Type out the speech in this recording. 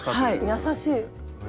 優しい。